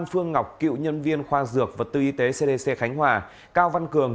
phương ngọc cựu nhân viên khoa dược vật tư y tế cdc khánh hòa cao văn cường